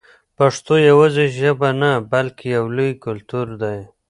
پښتو یوازې ژبه نه بلکې یو لوی کلتور دی.